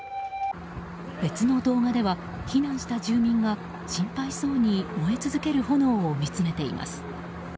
別の動画では、避難した住民が心配そうに燃え続ける炎を見つめています。